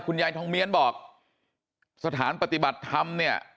ยายทองเมียนบอกสถานปฏิบัติธรรมเนี่ย